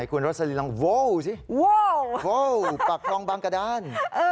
คุณรสลินลองโว้สิวปากคลองบางกระดาน